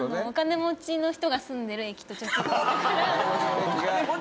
お金持ちの人が住んでる駅って。